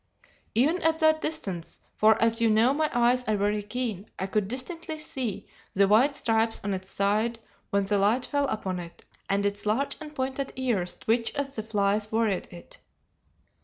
Even at that distance, for as you know my eyes are very keen, I could distinctly see the white stripes on its side when the light fell upon it, and its large and pointed ears twitch as the flies worried it.